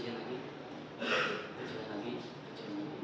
saya tidak sampai kesana pak